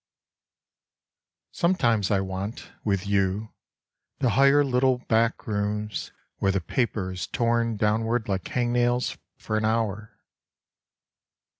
Sometimes I want, with you, to hire Uttle back rooms, where the paper is torn downward like hangnails, for an hour.